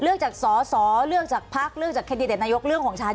เลือกจากสสเลือกจากภักดิ์เลือกจากเคดิเต็ตนายกเลือกของฉัน